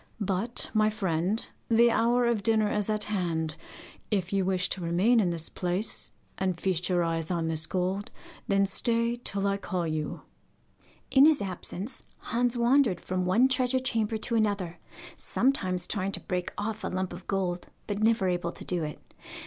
But, my friend, the hour of dinner is at hand. If you wish to remain in this place, and feast your eyes on this gold, then stay till I call you.' In his absence Hans wandered from one treasure chamber to another, sometimes trying to break off a little lump of gold, but never able to do it.